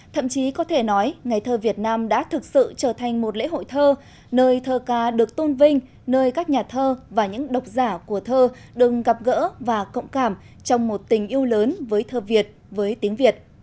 thậm chí có thể nói ngày thơ việt nam đã thực sự trở thành một lễ hội thơ nơi thơ ca được tôn vinh nơi các nhà thơ và những độc giả của thơ đừng gặp gỡ và cộng cảm trong một tình yêu lớn với thơ việt với tiếng việt